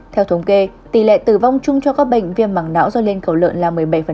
theo thống kê tỷ lệ tử vong chung cho các bệnh viêm mảng não do lên cầu lợn là một mươi bảy